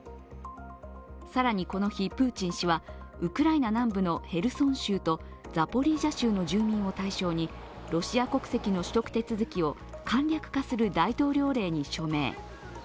更にこの日、プーチン氏はウクライナ南部のヘルソン州とザポリージャ州の住民を対象にロシア国籍の取得手続きを簡略化する大統領令に署名。